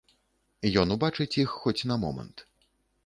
Ён убачыць іх, хоць на момант.